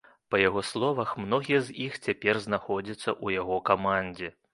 Па яго словах, многія з іх цяпер знаходзяцца ў яго камандзе.